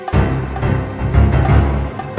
ya allah opi